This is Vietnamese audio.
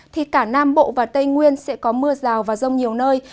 thì cả nam bộ và tây nguyên sẽ có mưa rào và rông nhiều nơi